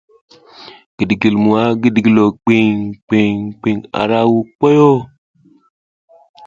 Gidigilmwa gidigilo gwiŋ gwiŋ gwiŋ a ra koyo.